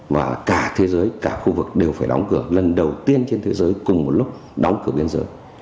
và cả thế giới cả khu vực đều phải đóng cửa lần đầu tiên trên thế giới cùng một lúc đóng cửa biên giới